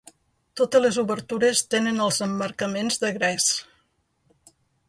Totes les obertures tenen els emmarcaments de gres.